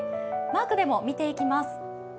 マークでも見ていきます。